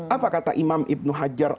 apa kata imam ibnu hajar